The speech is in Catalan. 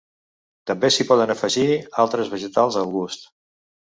També s’hi poden afegir altres vegetals al gust.